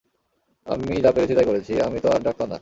আমি যা পেরেছি তাই করেছি, আমি তো আর ডাক্তার না।